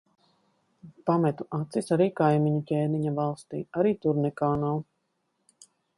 Pametu acis arī kaimiņu ķēniņa valstī. Arī tur nekā nav.